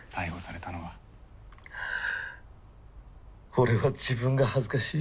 俺は自分が恥ずかしい。